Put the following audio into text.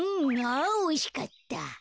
あおいしかった。